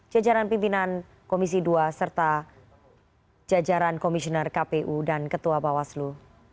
jajaran pimpinan komisi dua serta jajaran komisioner kpu dan ketua bawaslu